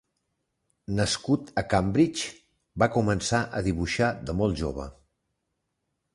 Nascut a Cambridge, va començar a dibuixar de molt jove.